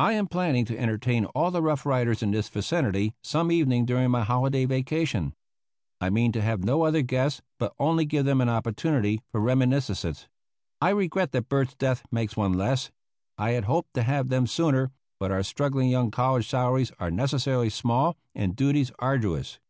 "I am planning to entertain all the Rough Riders in this vicinity some evening during my holiday vacation. I mean to have no other guests, but only give them an opportunity for reminiscences. I regret that Bert's death makes one less. I had hoped to have them sooner, but our struggling young college salaries are necessarily small and duties arduous.